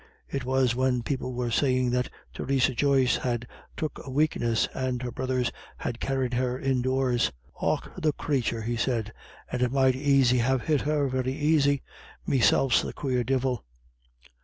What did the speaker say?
It was when people were saying that Theresa Joyce had took a wakeness, and her brothers had carried her indoors. "Och, the crathur," he said, "and it might aisy have hit her, very aisy. Miself's the quare divil."